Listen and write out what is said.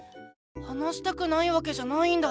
話したくないわけじゃないんだ！